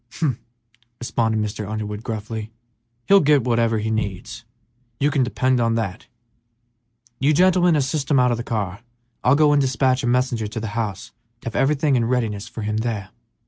"Humph!" responded Mr. Underwood, gruffly; "he'll get whatever he needs, you can depend on that. You gentlemen assist him out of the car; I'll go and despatch a messenger to the house to have everything in readiness for him there."